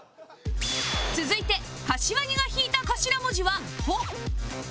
続いて柏木が引いた頭文字は